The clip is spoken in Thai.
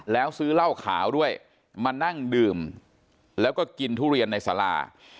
แล้วซื้อเหล้าขาวด้วยมานั่งดื่มแล้วก็กินทุเรียนในสารา